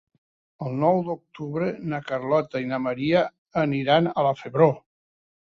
El nou d'octubre na Carlota i na Maria aniran a la Febró.